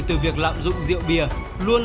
từ việc lạm dụng rượu bia luôn